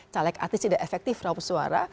caleg artis tidak efektif rauh suara